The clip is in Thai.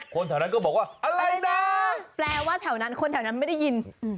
คนแถวนั้นก็บอกว่าอะไรนะแปลว่าแถวนั้นคนแถวนั้นไม่ได้ยิน